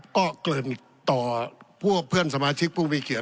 ก็เกริ่นต่อพวกเพื่อนสมาชิกผู้มีเขียน